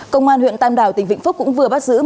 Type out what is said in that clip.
công an huyện tam đảo tỉnh vĩnh phúc cũng vừa bắt giữ